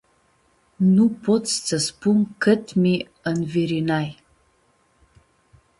Nu pot s-tsã spun cãt mi-ãnvirinai.